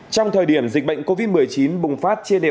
trong thời điểm dịch bệnh covid một mươi chín bùng phát trên đất nước